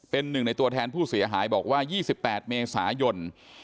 เป็นหนึ่งในตัวแทนผู้เสียหายบอกว่า๒๘เมษายน